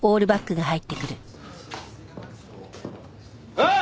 おい！